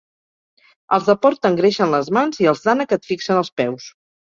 Els de porc t'engreixen les mans i els d'ànec et fixen els peus.